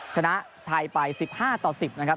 ชนะไทยไป๑๕ต่อ๑๐นะครับ